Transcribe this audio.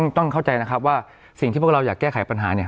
ต้องเข้าใจนะครับว่าสิ่งที่พวกเราอยากแก้ไขปัญหาเนี่ย